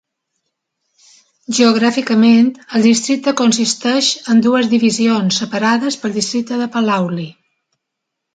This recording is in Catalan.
Geogràficament, el districte consisteix en dues divisions separades pel districte de Palauli.